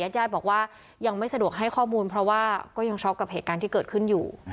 ญาติบอกว่ายังไม่สะดวกให้ข้อมูลเพราะว่าก็ยังช็อกกับเหตุการณ์ที่เกิดขึ้นอยู่